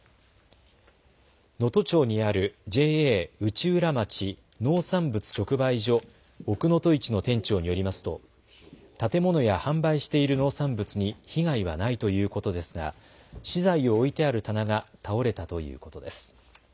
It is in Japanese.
能登町にあるＪＡ内浦町農産物直売所おくのといちの店長によりますと建物や販売している農産物に被害はないということですが資材を置いてある棚が倒れたということです。